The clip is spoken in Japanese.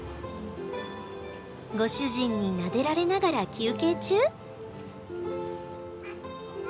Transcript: ご主人になでられながら休憩中？